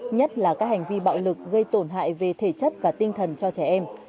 nhất là các hành vi bạo lực gây tổn hại về thể chất và tinh thần cho trẻ em